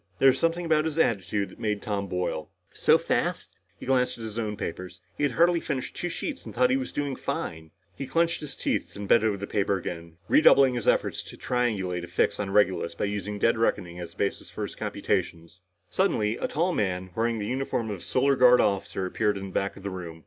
There was something about his attitude that made Tom boil. So fast? He glanced at his own papers. He had hardly finished two sheets and thought he was doing fine. He clenched his teeth and bent over the paper again, redoubling his efforts to triangulate a fix on Regulus by using dead reckoning as a basis for his computations. Suddenly a tall man, wearing the uniform of a Solar Guard officer, appeared in the back of the room.